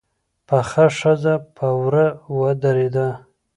پخه ښځه په وره ودرېده.